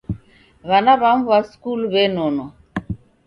W'ana w'amu w'a skulu w'enonwa.